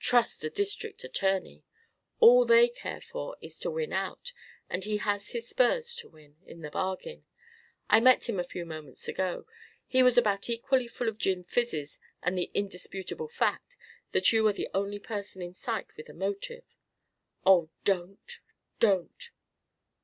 Trust a district attorney. All they care for is to win out, and he has his spurs to win, in the bargain. I met him a few moments ago; he was about equally full of gin fizzes and the 'indisputable fact' that you are the only person in sight with a motive. Oh, don't! Don't!"